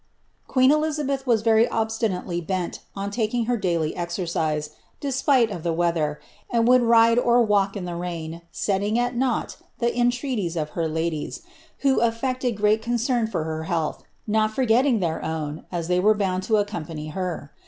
"' Queen Elizabeth was very obstinately bent on taking her daily e^f^ eise, desjiilc of the weather, and would ride or walk in the rain, aeiliiig at naught the entreaties of her ladies, who aflccied great concern forhtr health, not forgetting iheir own, as they were bound to accompany her.